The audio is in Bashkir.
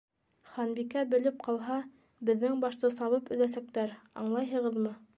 Ханбикә белеп ҡалһа, беҙҙең башты сабып өҙәсәктәр, аңлайһығыҙмы?